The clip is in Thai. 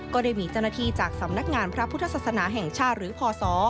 ก็ได้มีเจ้าหน้าที่จากสำนักงานพระพุทธศาสนาแห่งชาติหรือพศ